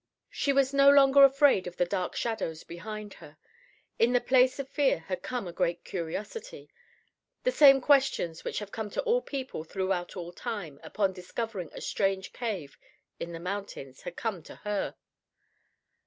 She was no longer afraid of the dark shadows behind her. In the place of fear had come a great curiosity. The same questions which have come to all people throughout all time upon discovering a strange cave in the mountains, had come to her.